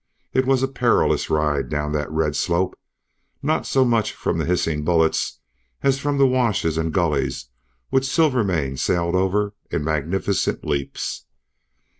It was a perilous ride down that red slope, not so much from the hissing bullets as from the washes and gullies which Silvermane sailed over in magnificent leaps.